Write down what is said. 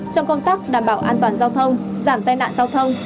trong công tác đảm bảo an toàn giao thông giảm tai nạn giao thông